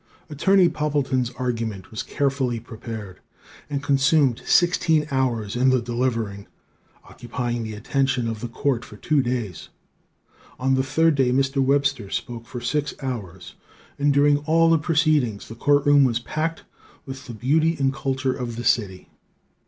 "Attorney Poppleton's argument was carefully prepared, and consumed sixteen hours in the delivering, occupying the attention of the court for two days. On the third day Mr. Webster spoke for six hours. And during all the proceedings, the court room was packed with the beauty and culture of the city.